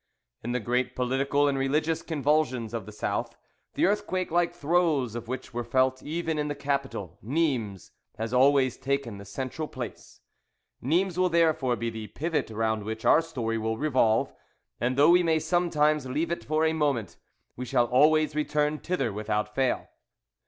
In the great political and religious convulsions of the South, the earthquake like throes of which were felt even in the capital, Nimes has always taken the central place; Nimes will therefore be the pivot round which our story will revolve, and though we may sometimes leave it for a moment, we shall always return thither without fail.